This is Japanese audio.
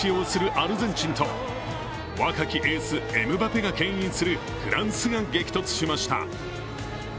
アルゼンチンと若きエース・エムバペがけん引するフランスが激突しました。